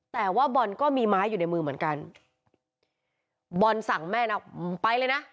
แต่ว่าบอลก็มีไม้อยู่ในมือเหมือนกันบอลสั่งแม่นะไปเลยนะ